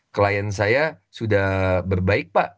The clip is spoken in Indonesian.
klien saya sudah berbaik pak